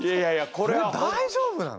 これ大丈夫なの？